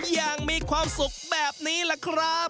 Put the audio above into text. ยังมีความสุขแบบนี้แหละครับ